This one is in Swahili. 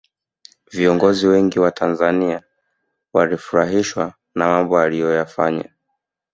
viongozi wengi wa tanzania walifurahishwa na mambo aliyoyafanya